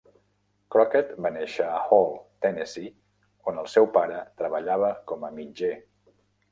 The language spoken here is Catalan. Crockett va néixer a Hall, Tennessee, on el seu pare treballava com a mitger.